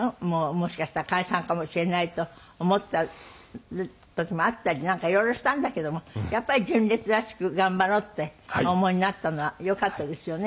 もしかしたら解散かもしれないと思った時もあったりなんかいろいろしたんだけどもやっぱり純烈らしく頑張ろうってお思いになったのはよかったですよね。